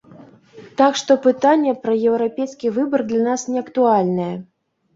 Так што пытанне пра еўрапейскі выбар для нас не актуальнае.